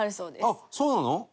あっそうなの？